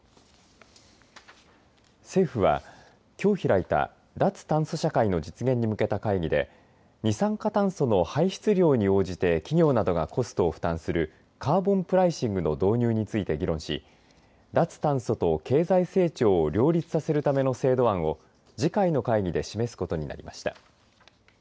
政府は、きょう開いた脱炭素社会の実現に向けた会議で二酸化炭素の排出量に応じて企業などがコストを負担するカーボンプライシングの導入について議論し脱炭素と経済成長を両立させるための制度案を次回の会議で示すことになりました。